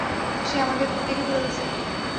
সে আমাদের দেখে ফেলেছে।